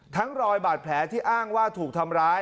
รอยบาดแผลที่อ้างว่าถูกทำร้าย